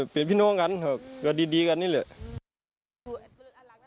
เป็นพี่น้องกันก็ดีกันนี่เลย